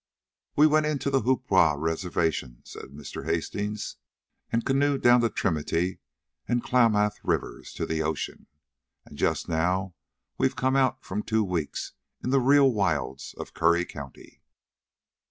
"We went in to the Hoopa Reservation," said Mr. Hastings, "and canoed down the Trinity and Klamath Rivers to the ocean. And just now we've come out from two weeks in the real wilds of Curry County."